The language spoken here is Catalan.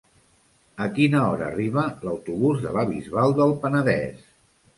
A quina hora arriba l'autobús de la Bisbal del Penedès?